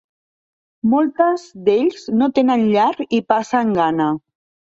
Moltes d'ells no tenen llar i passen gana.